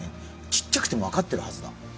ちっちゃくても分かってるはずだ。